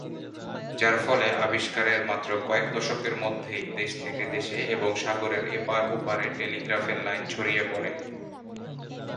যার ফলে আবিস্কারের মাত্র কয়েক দশকের মধ্যেই দেশ থেকে দেশে এবং সাগরের এপার-ওপারে টেলিগ্রাফের লাইন ছড়িয়ে পড়ে।